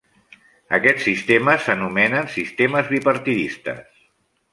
Aquests sistemes s'anomenen sistemes bipartidistes.